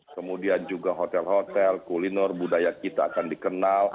kemudian juga hotel hotel kuliner budaya kita akan dikenal